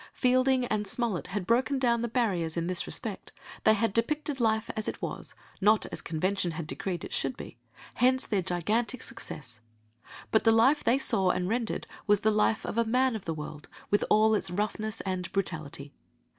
Fielding and Smollett had broken down the barriers in this respect, they had depicted life as it was, not as convention had decreed it should be, hence their gigantic success; but the life they saw and rendered was the life of a man of the world, with all its roughness and brutality.